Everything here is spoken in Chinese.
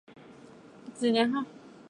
为她煎中药